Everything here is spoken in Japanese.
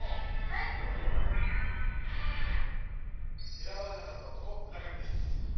選ばれなかった男村上です。